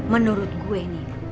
menurut gue nih